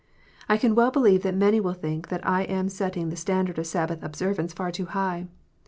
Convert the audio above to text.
I can well believe that many will think that I am setting the standard of Sabbath observance far too high.